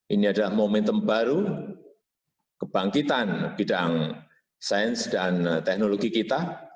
ini adalah momentum baru kebangkitan bidang sains dan teknologi kita